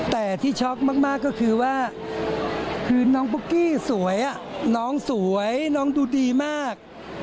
แต่ที่ช็อกมากก็คือว่าคือน้องปุ๊กกี้สวยน้องสวยน้องดูดีมาก